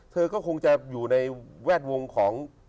เธอก็คงจะอยู่ในแวดวงของ